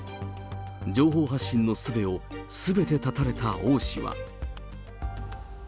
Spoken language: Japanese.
情報発信のすべをすべて絶たれた王氏は。